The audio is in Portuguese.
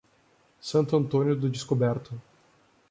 Santo Antônio do Descoberto